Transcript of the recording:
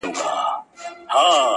ما ویل زه به ستا د شپې په زړه کي!!